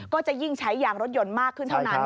ก็จะยิ่งใช้ยางรถยนต์มากขึ้นเท่านั้น